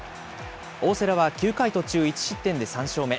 大瀬良は９回途中１失点で３勝目。